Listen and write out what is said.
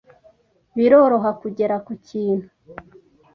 biroroha kugera ku kintu